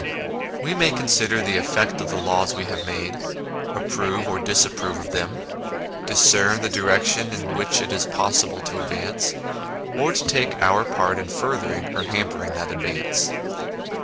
We may consider the effect of the laws we have made, approve or disapprove of them, discern the direction in which it is possible to advance, and take our part in furthering or hampering that advance.